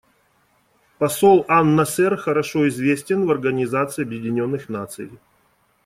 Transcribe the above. Посол ан-Насер хорошо известен в Организации Объединенных Наций.